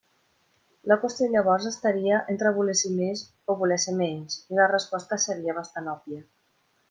La qüestió llavors estaria entre voler ser més o voler ser menys, i la resposta seria bastant òbvia.